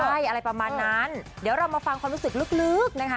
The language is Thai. ใช่อะไรประมาณนั้นเดี๋ยวเรามาฟังความรู้สึกลึกนะคะ